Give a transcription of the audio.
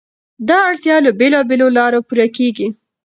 دا اړتیا له بېلابېلو لارو پوره کېږي.